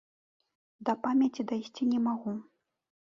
Да памяці дайсці не магу.